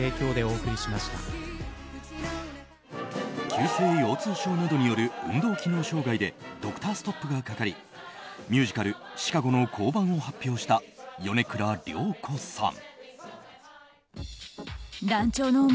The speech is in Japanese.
急性腰痛症などによる運動機能障害でドクターストップがかかりミュージカル「ＣＨＩＣＡＧＯ」の降板を発表した米倉涼子さん。